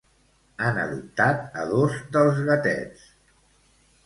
Han adoptat a dos dels gatets.